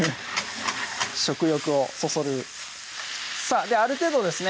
食欲をそそるさぁある程度ですね